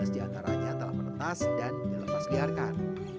dua ratus lima belas diantaranya telah menetas dan dilepasliarkan